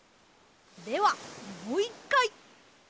ではもういっかい。